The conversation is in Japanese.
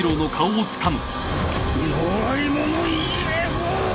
弱い者いじめを。